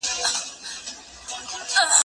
ته ولي بازار ته ځې،